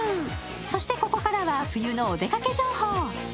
そして、ここからは冬のお出かけ情報。